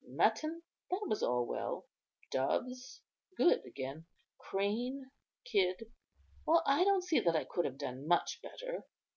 Mutton, that was all well; doves, good again; crane, kid; well, I don't see that I could have done much better."